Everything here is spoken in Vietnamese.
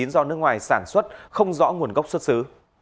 do nước ngoài sản xuất không rõ nguồn gốc xuất xứ